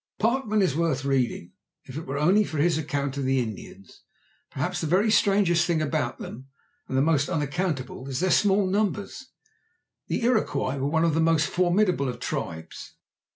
Parkman is worth reading, if it were only for his account of the Indians. Perhaps the very strangest thing about them, and the most unaccountable, is their small numbers. The Iroquois were one of the most formidable of tribes.